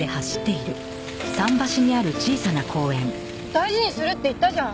大事にするって言ったじゃん。